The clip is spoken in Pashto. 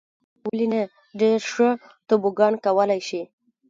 ولې نه. ډېر ښه توبوګان کولای شې.